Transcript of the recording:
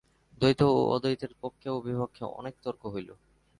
দ্বৈত ও অদ্বৈতের পক্ষে ও বিপক্ষে অনেক তর্ক হইল।